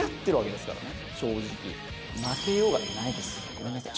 ごめんなさい。